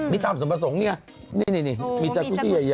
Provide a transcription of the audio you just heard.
มีตามสมประสงค์นี้นี่นะนี่มีจากุสี่อย่างเยอะ